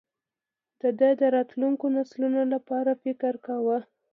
ده د راتلونکو نسلونو لپاره فکر کاوه.